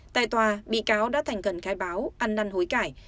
tại tòa bị cáo đã thành khẩn khai báo ăn năn hối cải